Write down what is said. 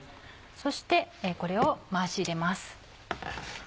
そしてこれを回し入れます。